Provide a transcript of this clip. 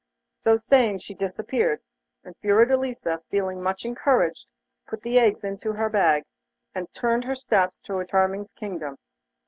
So saying, she disappeared, and Fiordelisa, feeling much encouraged, put the eggs into her bag and turned her steps towards Charming's kingdom.